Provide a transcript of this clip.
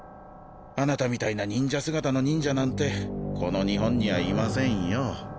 あなたみたいな忍者姿の忍者なんてこの日本にはいませんよ